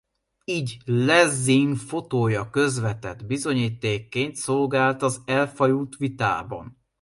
Így Lessing fotója közvetett bizonyítékként szolgált az elfajult vitában.